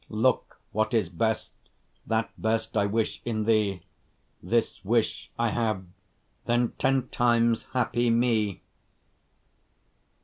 Look what is best, that best I wish in thee: This wish I have; then ten times happy me!